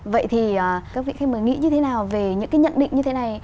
vậy thì các vị khách mời nghĩ như thế nào về những cái nhận định như thế này